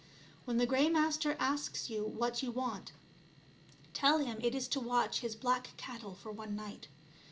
When the Grey Master asks you what you want, tell him it is to watch his black cattle for one night.